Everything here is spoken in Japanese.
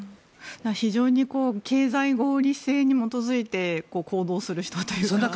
非常に経済合理性に基づいて行動する人というか。